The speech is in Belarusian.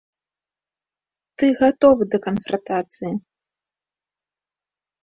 Ты гатовы да канфрантацыі.